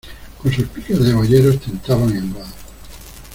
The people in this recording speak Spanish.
con sus picas de boyeros tentaban el vado.